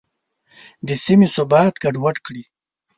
د سیمې ثبات ګډوډ کړي.